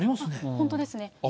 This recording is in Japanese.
本当ですね。